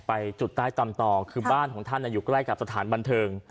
ไปจุดใต้ตำต่อคือบ้านของท่านอยู่ใกล้กับสถานบันเทิง